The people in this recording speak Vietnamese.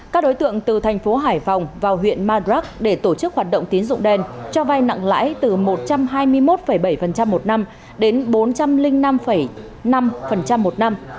các đối tượng từ thành phố hải phòng vào huyện madrak để tổ chức hoạt động tín dụng đen cho vai nặng lãi từ một trăm hai mươi một bảy một năm đến bốn trăm linh năm năm một năm